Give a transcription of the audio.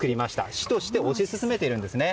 市として推し進めているんですね。